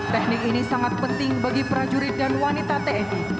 teknik ini sangat penting bagi prajurit dan wanita tni